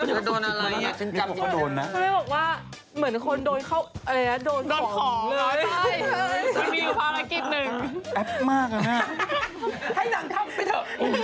ต้องโดนอะไรชิ้นจำต้องโดนนะ